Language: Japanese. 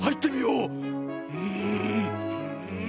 うん！